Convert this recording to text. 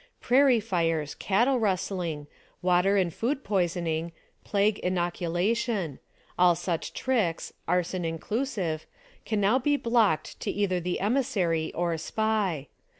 Prairie fires, cattle rustling, water and food poisoning, plague innoculation — all such tricks, arson inclusive — can now be blocked to either the emissary or Spy.